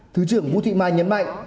thứ trưởng vũ thị mai nhấn mạnh